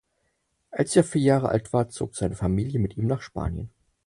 Als er vier Jahre alt war, zog seine Familie mit ihm nach Spanien.